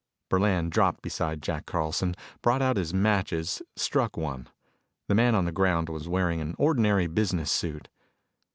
Burland dropped beside Jack Carlson, brought out his matches, struck one. The man on the ground was wearing an ordinary business suit.